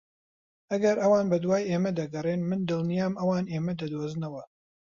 ئەگەر ئەوان بەدوای ئێمە دەگەڕێن، من دڵنیام ئەوان ئێمە دەدۆزنەوە.